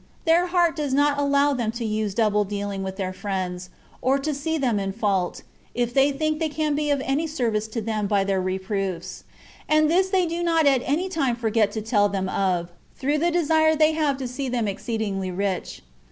Their heart does not allow them to use double dealing with their friends, or to see them in fault, if they think they can be of any service to them by their reproofs; and this they do not at any time forget to tell them of, through the desire they have to see them exceeding rich.